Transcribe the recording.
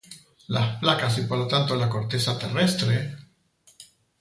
las placas y... por lo tanto la corteza terrestre...